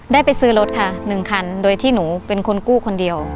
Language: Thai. ได้ไปซื้อรถค่ะ๑คันโดยที่หนูเป็นคนกู้คนเดียว